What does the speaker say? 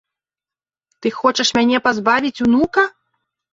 Ты хочаш мяне пазбавіць унука?